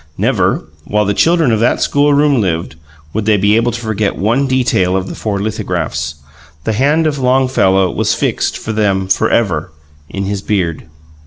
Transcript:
Never, while the children of that schoolroom lived, would they be able to forget one detail of the four lithographs: the hand of Longfellow was fixed, for them, forever, in his beard.